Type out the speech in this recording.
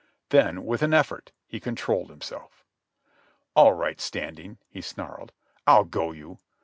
Then, with an effort, he controlled himself. "All right, Standing," he snarled. "I'll go you.